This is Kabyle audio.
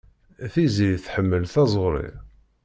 Tiziri tḥemmel taẓuri.